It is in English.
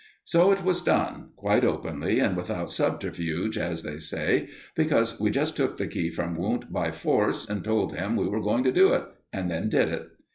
So it was done, quite openly and without subterfuge, as they say, because we just took the key from Wundt by force and told him we were going to do it, and then did it.